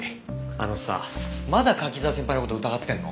あのさまだ柿沢先輩の事を疑ってるの？